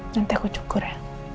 nanti aku syukur ya